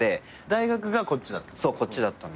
大学がこっちだった？